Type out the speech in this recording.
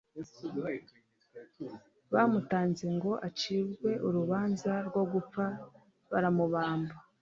bamutanze ngo acirwe urubanza rwo gupfa, baramubamba.